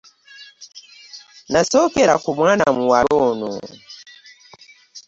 Nasookera ku mwana muwala ono.